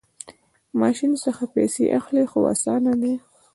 د ماشین څخه پیسې اخلئ؟ هو، اسانه ده